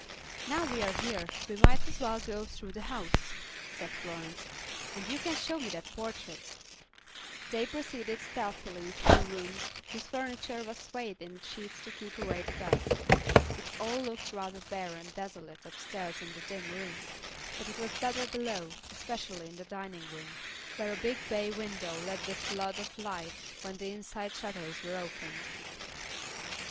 "Now we're here, we might as well go through the house," said Florence. "And you can show me the portrait." They proceeded stealthily through rooms whose furniture was swathed in sheets to keep away the dust. It all looked rather bare and desolate upstairs in the dim rooms, but it was better below, especially in the dining room, where a big bay window let in a flood of light when the inside shutters were opened.